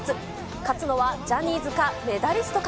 勝つのはジャニーズか、メダリストか。